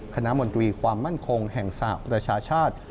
มนตรีความมั่นคงแห่งสหประชาชาติ